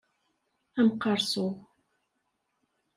Amqeṛṣu!